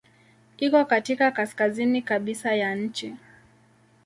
Iko katika kaskazini kabisa ya nchi.